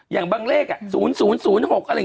อย่างบางเลข๐๐๖อะไรอย่างนี้